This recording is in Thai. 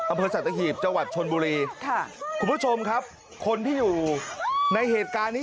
อำเภอสัตหีบจังหวัดชนบุรีค่ะคุณผู้ชมครับคนที่อยู่ในเหตุการณ์นี้